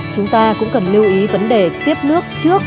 chúng ta cũng cần lưu ý vấn đề tiếp nước trước